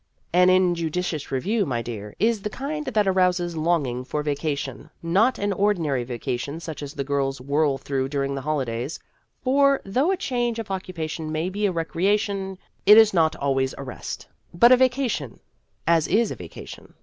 " An injudicious review, my dear, is the kind that arouses longing for vacation not an ordinary vacation such as the girls whirl through during the holidays (for, though a change of occupation may be a recreation, it is not always a rest), but a vacation "as is a vacation."